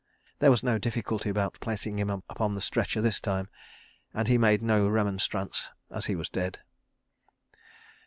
There was no difficulty about placing him upon the stretcher this time, and he made no remonstrance, as he was dead.